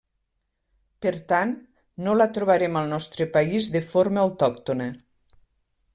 Per tant, no la trobarem al nostre país de forma autòctona.